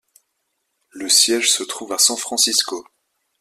Le siège se trouve à San Francisco.